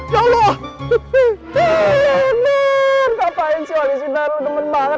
ya allah ngapain sih wadidudar lo demen banget